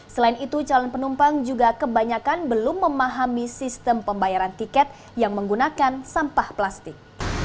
selain itu calon penumpang juga kebanyakan belum memahami sistem pembayaran tiket yang menggunakan sampah plastik